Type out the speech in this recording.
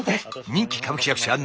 人気歌舞伎役者中村傳